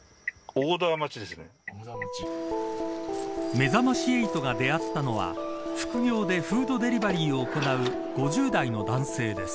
めざまし８が出会ったのは副業でフードデリバリーを行う５０代の男性です。